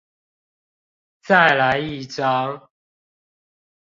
再來一張